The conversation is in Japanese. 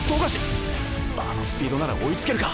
あのスピードなら追いつけるか？